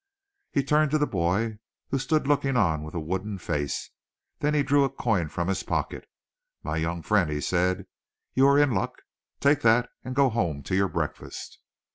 He turned to the boy, who stood looking on with wooden face. Then he drew a coin from his pocket. "My young friend," he said, "you are in luck. Take that and go home to your breakfast."